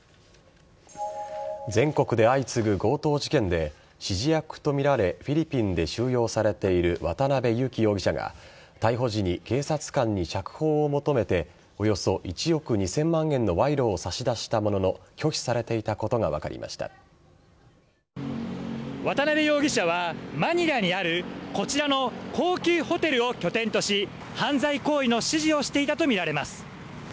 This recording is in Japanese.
全国で相次ぐ強盗事件で指示役とみられフィリピンで収容されている渡辺優樹容疑者が逮捕時に警察官に釈放を求めておよそ１億２０００万円の賄賂を差し出したものの拒否されていたことが渡辺容疑者はマニラにあるこちらの高級ホテルを拠点とし犯罪行為の指示をしていたとみられます。